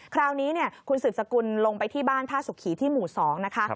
คราวนี้คุณสืบสกุลลงไปที่บ้านท่าสุขีที่หมู่๒นะคะ